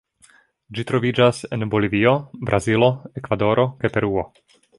Ĝi troviĝas en Bolivio, Brazilo, Ekvadoro kaj Peruo.